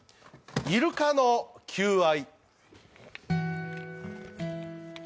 イルカの求愛。